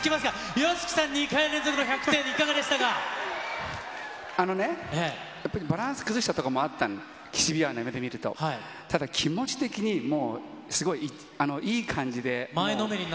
ＹＯＳＨＩＫＩさん、２回連続のあのね、やっぱりバランス崩したところもあった、シビアな中で見ると、ただ、気持ち的にもう、すごいいい感じで。